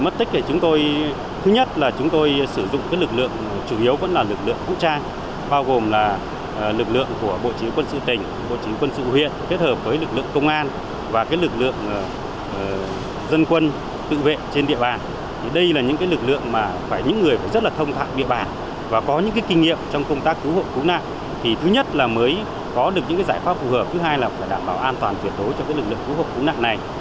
thứ hai là phải đảm bảo an toàn tuyệt đối cho lực lượng cứu hộ cứu nạn này